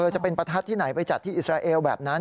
จะเป็นประทัดที่ไหนไปจัดที่อิสราเอลแบบนั้น